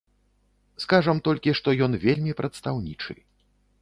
Скажам толькі, што ён вельмі прадстаўнічы.